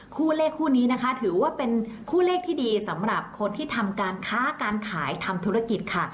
คู่เลขคู่นี้นะคะถือว่าเป็นคู่เลขที่ดีสำหรับคนที่ทำการค้าการขายทำธุรกิจค่ะ